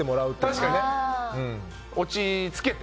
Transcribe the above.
確かにね。